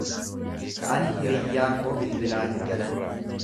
Ani hiriyyaa koo bilbilaa jira.